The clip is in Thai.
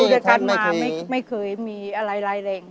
ยู่ด้วยกันมาไม่เคยมีอะไรอะไรแหล่ง